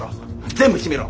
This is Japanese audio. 全部閉めろ。